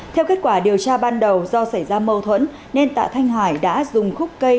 theo kết quả điều tra ban đầu do xảy ra mâu thuẫn nên tạ thanh hải đã dùng khúc cây